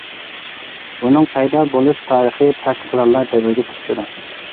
ئۇنىڭ پەيدا بولۇش تارىخى تاش قوراللار دەۋرىگە تۇتىشىدۇ.